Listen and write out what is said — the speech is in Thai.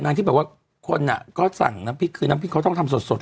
ที่แบบว่าคนอ่ะก็สั่งน้ำพริกคือน้ำพริกเขาต้องทำสด